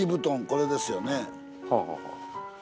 これですよね。